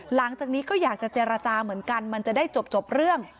หลังจากนี้ก็อยากจะเจรจาเหมือนกันมันจะได้จบเรื่อง